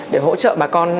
để hỗ trợ bà con